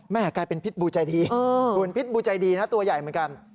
กลายเป็นพิษบูใจดีส่วนพิษบูใจดีนะตัวใหญ่เหมือนกัน